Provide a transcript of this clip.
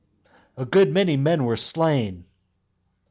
"A good many men were slain."